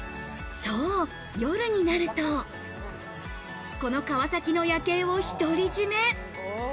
夜になると、この川崎の夜景を独り占め。